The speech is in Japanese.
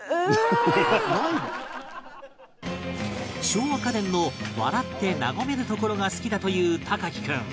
笑和家電の笑って和めるところが好きだという隆貴君